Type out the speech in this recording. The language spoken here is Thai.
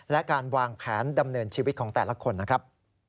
และการวางแผนดำเนินชีวิตของแต่ละคนนะครับ